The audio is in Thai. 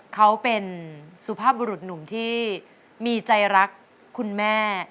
เขาเป็นสุภาพบุรุษหนุ่มที่มีใจรักคุณแม่